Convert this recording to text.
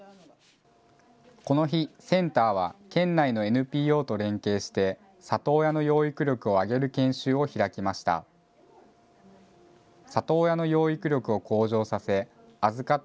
この日、センターは県内のＮＰＯと連携して、里親の養育力を上げる研修を開きました。